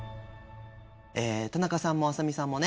田中さんも浅見さんもね